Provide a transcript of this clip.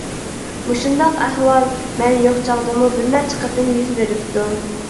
مۇشۇنداق ئەھۋال مەن يوق چاغدىمۇ بىرنەچچە قېتىم يۈز بېرىپتۇ.